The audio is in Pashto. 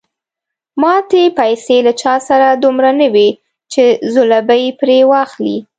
ماتې پیسې له چا سره دومره نه وې چې ځلوبۍ پرې واخلي.